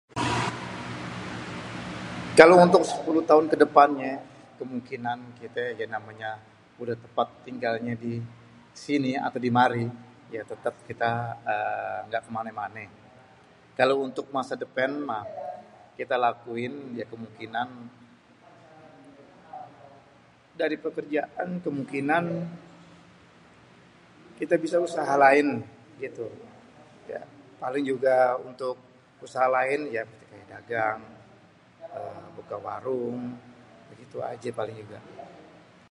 Kalo untuk sepuluh taun kedepannyé, kemungkinan kité yang namanya udah tempat tinggalnya di sini ato di mari, ya tétép kita ééé nggak ke mané-mané. Kalo untuk ke depan mah kita lakuin ya kemungkinan, dari pekerjaan kemungkinan kita bisa usaha lain gitu. Ya paling juga, untuk usaha lain, ya kayak dagang eee buka warung. Begitu aja paling juga.